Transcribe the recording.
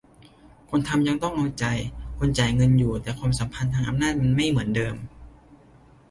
คนทำยังต้อง "เอาใจ" คนจ่ายเงินอยู่ แต่ความสัมพันธ์ทางอำนาจมันไม่เหมือนเดิม